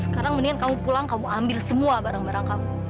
sekarang mendingan kamu pulang kamu ambil semua barang barang kamu